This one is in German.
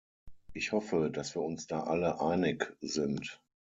Ich hoffe, dass wir uns da alle einig sind.